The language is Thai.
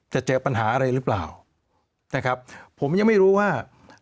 จะเจอปัญหาอะไรหรือเปล่านะครับผมยังไม่รู้ว่า